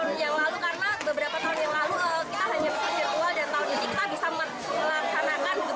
karena beberapa tahun yang lalu kita hanya berjadwal dan tahun ini kita bisa melaksanakan